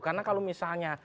karena kalau misalnya